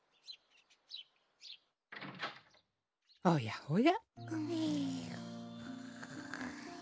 おやおや。